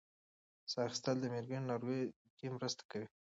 ساه اخیستل د مېګرین کنټرول کې مرسته کوي.